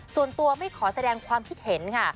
ส่วนตัวไม่ขอแสดงความคิดเห็นค่ะ